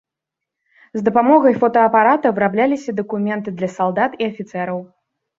З дапамогай фотаапарата вырабляліся дакументы для салдат і афіцэраў.